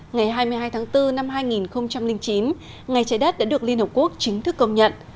ngày hai mươi hai tháng bốn năm hai nghìn chín ngày trái đất đã được liên hợp quốc chính thức công nhận